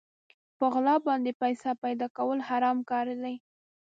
په غلا باندې پيسې پيدا کول حرام کار دی.